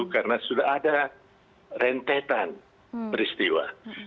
karena sudah ada rentetan peristiwa